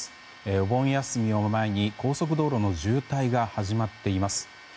お盆休みを前に高速道路の渋滞が始まっています。